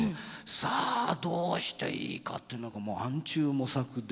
さあどうしていいかっていうのがもう暗中模索で。